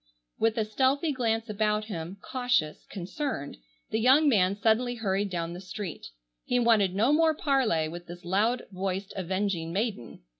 With a stealthy glance about him, cautious, concerned, the young man suddenly hurried down the street. He wanted no more parley with this loud voiced avenging maiden.